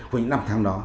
của những năm tháng đó